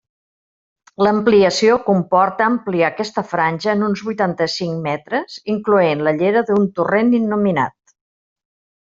L'ampliació comporta ampliar aquesta franja en uns vuitanta-cinc metres incloent la llera d'un torrent innominat.